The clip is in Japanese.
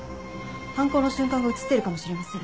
犯行の瞬間が映ってるかもしれません。